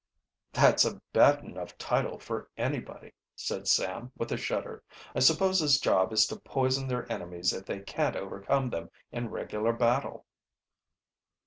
"That's a bad enough title for anybody," said Sam with a shudder. "I suppose his job is to poison their enemies if they can't overcome them in regular battle."